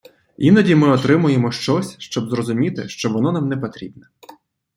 Іноді ми отримуємо щось, щоб зрозуміти, що воно нам не потрібне